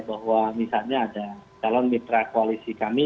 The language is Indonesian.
bahwa misalnya ada calon mitra koalisi kami